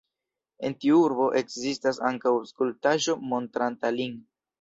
En tiu urbo ekzistas ankaŭ skulptaĵo montranta lin.